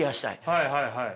はいはいはい。